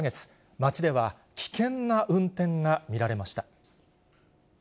街では危険な運転が見られました。